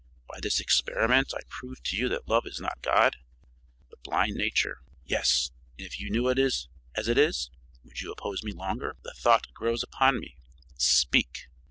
By this experiment I prove to you that love is not God, but blind nature. Yes, and if you knew it as it is, would you oppose me longer? The thought grows upon me! Speak!"